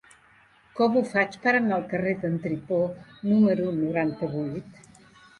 Com ho faig per anar al carrer d'en Tripó número noranta-vuit?